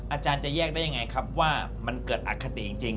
อาจารย์จะแยกได้ยังไงครับว่ามันเกิดอคติจริง